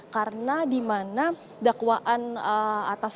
karena di mana dakwaan atas